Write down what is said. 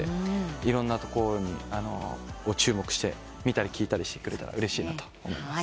いろんなところを注目して見たり聴いたりしてくれたらうれしいです。